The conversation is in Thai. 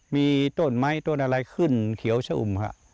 มีต้นไม้ต้นอะไรขึ้นเขียวชะอุ่มครับ